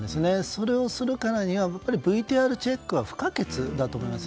それをするからにはＶＴＲチェックは不可欠だと思います。